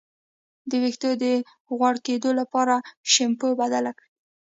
د ویښتو د غوړ کیدو لپاره شیمپو بدل کړئ